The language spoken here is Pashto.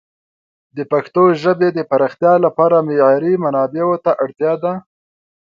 د پښتو ژبې د پراختیا لپاره معیاري منابعو ته اړتیا ده.